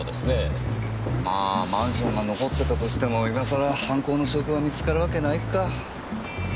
まぁマンションが残ってたとしても今さら犯行の証拠が見つかるわけないか。